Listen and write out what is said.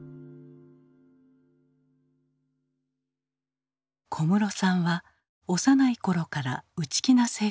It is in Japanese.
小室さんは幼い頃から内気な性格だった。